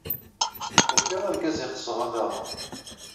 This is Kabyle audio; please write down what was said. Ufiɣ-d argaz ay ɣseɣ ad aɣeɣ.